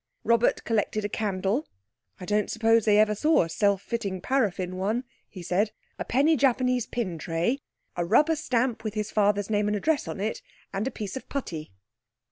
Robert collected a candle ("I don't suppose they ever saw a self fitting paraffin one," he said), a penny Japanese pin tray, a rubber stamp with his father's name and address on it, and a piece of putty.